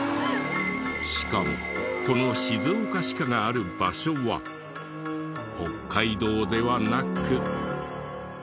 しかもこの静岡歯科がある場所は北海道ではなく。